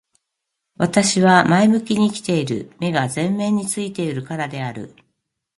私は前向きに生きている。目が前面に付いているからである。